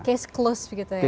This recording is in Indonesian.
case closed begitu ya